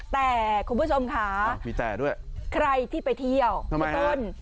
แต่คุณผู้ชมค่ะใครที่ไปเที่ยวพี่ตุ้นมีแต่ด้วย